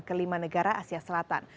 ke lima negara asia selatan